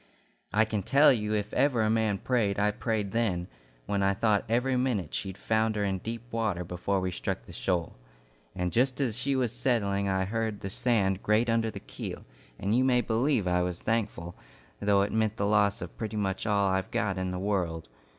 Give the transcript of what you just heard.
I can tell you if ever a man prayed, I prayed then, when I thought every minute she'd founder in deep water before we struck the shoal. And just as she was settling I heard the sand grate under the keel, and you may believe I was thankful, though it meant the loss of pretty much all I've got in the world.